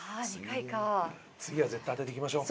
次は絶対当てていきましょう。